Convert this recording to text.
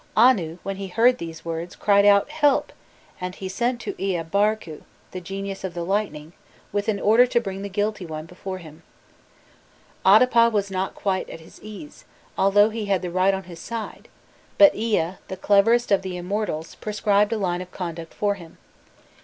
Anu, when he heard these words, cried out: 'Help!'" and he sent to Ea Barku, the genius of the lightning, with an order to bring the guilty one before him. Adapa was not quite at his ease, although he had right on his side; but Ea, the cleverest of the immortals, prescribed a line of conduct for him.